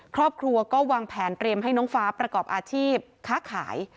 ครอบครัวก็วางแผนเตรียมให้น้องฟ้าประกอบอาชีพค้าขาย